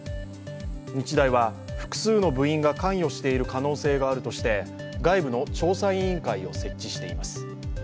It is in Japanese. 日大は複数の部員が関与している可能性があるとして外部の調査委員会を設置しています。